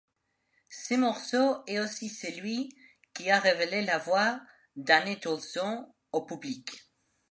Ce morceau est aussi celui qui a révélé la voix d'Anette Olzon au public.